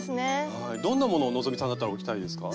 はいどんなものを希さんだったら置きたいですか？